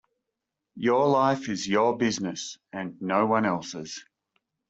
Your life is your business - and no one else’s.